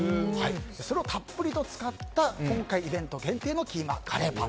それをたっぷりと使った今回のイベント限定のキーマカレーパン。